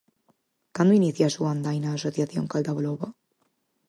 Cando inicia a súa andaina a asociación Caldaloba?